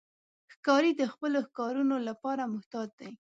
ښکاري د خپلو ښکارونو لپاره محتاط دی.